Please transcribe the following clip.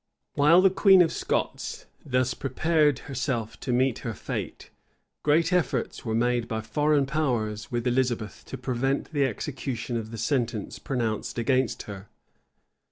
While the queen of Scots thus prepared herself to meet her fate, great efforts were made by foreign powers with Elizabeth to prevent the execution of the sentence pronounced against her.